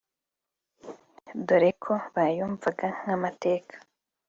dore ko bayumvaga nk’amateka